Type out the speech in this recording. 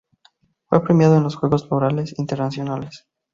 Fue premiado en los Juegos Florales Internacionales.